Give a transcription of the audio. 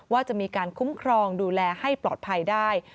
ว่าจะมีการคุ้มครองดูแลให้ปลอดภัยได้